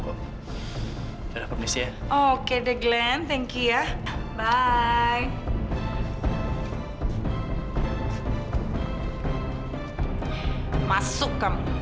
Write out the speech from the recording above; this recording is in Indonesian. kok ada permisi ya oke glenn thank you bye bye hai masuk kamu